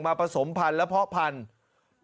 ผสมพันธุ์และเพาะพันธุ์